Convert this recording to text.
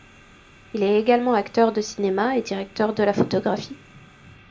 Il est également acteur de cinéma et directeur de la photographie.